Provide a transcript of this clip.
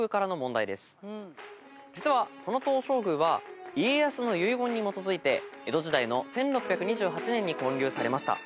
実はこの東照宮は家康の遺言に基づいて江戸時代の１６２８年に建立されました。